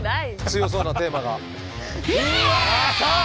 強そうなテーマが。